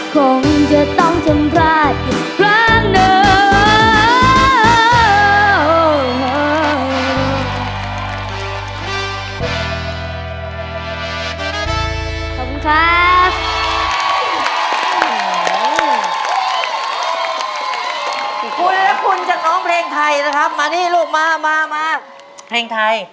คงจะต้องทำพลาดอีกครั้งหนึ่ง